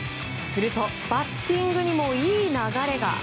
すると、バッティングにもいい流れが。